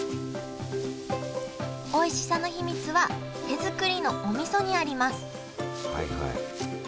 おいしさの秘密は手作りのおみそにあります